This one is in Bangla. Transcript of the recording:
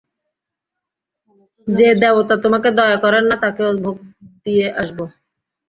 যে দেবতা তোমাকে দয়া করেন না তাঁকেও ভোগ দিয়ে আসব।